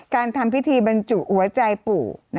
การทำพิธีบรรจุหัวใจปู่